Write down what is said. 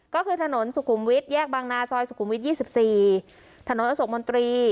ก็คือถนนสุคุมวิทย์แยกบางนาซอยสุคุมวิทย์ยี่สิบสี่ถนนอโศกมณฑี